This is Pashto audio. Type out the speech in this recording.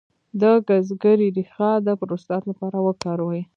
د ګزګیرې ریښه د پروستات لپاره وکاروئ